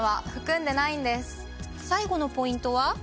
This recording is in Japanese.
最後のポイントは？